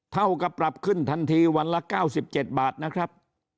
เท่ากับปรับขึ้นทันทีวันละเก้าสิบเจ็ดบาทนะครับ